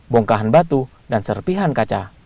bongkahan batu dan serpihan kaca